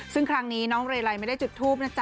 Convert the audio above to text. ซึ่งครั้งนี้น้องเรลัยไม่ได้จุดทูปนะจ๊